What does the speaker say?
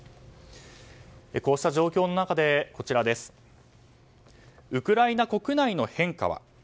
こうした状況の中でウクライナ国内の変化は？